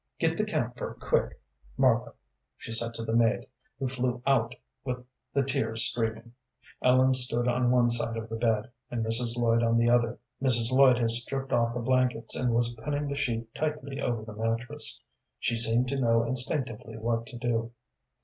"Get the camphor, quick, Martha," she said to the maid, who flew out, with the tears streaming. Ellen stood on one side of the bed, and Mrs. Lloyd on the other. Mrs. Lloyd had stripped off the blankets, and was pinning the sheet tightly over the mattress. She seemed to know instinctively what to do.